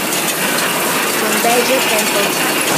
L'enveja trenca el sac.